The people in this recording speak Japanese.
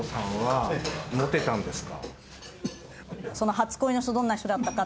「初恋の人どんな人だったか？」